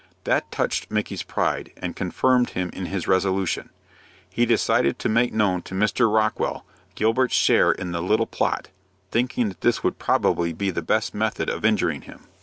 That touched Micky's pride, and confirmed him in his resolution. He decided to make known to Mr. Rockwell Gilbert's share in the little plot, thinking that this would probably be the best method of injuring him.